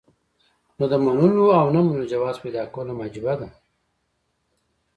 نو د منلو او نۀ منلو جواز پېدا کول هم عجيبه ده